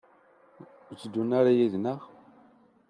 Ur tteddun ara yid-neɣ?